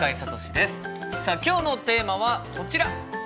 さあ今日のテーマはこちら。